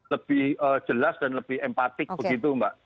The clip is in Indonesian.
lebih jelas dan lebih empatik begitu mbak